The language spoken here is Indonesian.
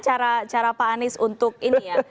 cara cara pak anies untuk ini ya